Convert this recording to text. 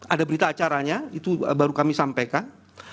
ada berita acaranya itu baru kami sampaikan